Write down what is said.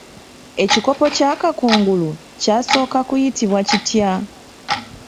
Ekikopo kya Kakungulu kyasooka kuyitibwa kitya?